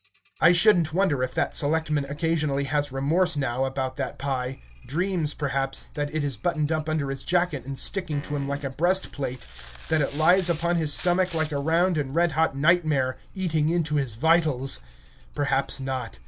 I shouldn't wonder if that selectman occasionally has remorse now about that pie; dreams, perhaps, that it is buttoned up under his jacket and sticking to him like a breastplate; that it lies upon his stomach like a round and red hot nightmare, eating into his vitals. Perhaps not.